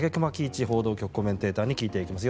一報道局コメンテーターに聞いていきます。